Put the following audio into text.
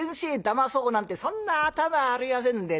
まそうなんてそんな頭はありませんでね。